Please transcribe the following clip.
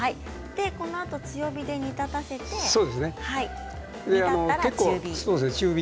このあと強火で煮立たせて煮立ったら中火。